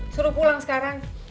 suruh pulang sekarang